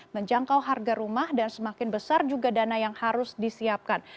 menjangkau harga rumah dan semakin besar juga dana yang harus disiapkan